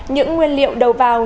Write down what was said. những nguyên liệu đầu vào